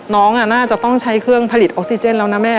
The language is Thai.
น้องน่าจะต้องใช้เครื่องผลิตออกซิเจนแล้วนะแม่